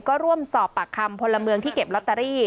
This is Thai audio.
ก็ร่วมสอบปากคำพลเมืองที่เก็บลอตเตอรี่